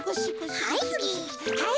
はい。